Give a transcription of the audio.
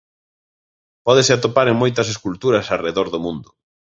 Pódese atopar en moitas esculturas arredor do mundo.